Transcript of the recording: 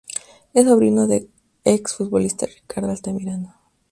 Es sobrino del ex futbolista Ricardo Altamirano.